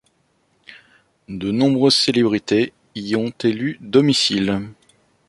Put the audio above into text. De nombreuses célébrités y ont élu domicile.